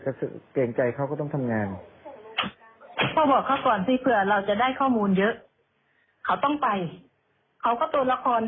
เขาต้องไปเขาก็ตัวละครดีตัวนึงน่ะ